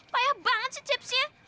payah banget si cepsnya